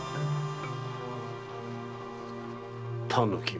タヌキめ。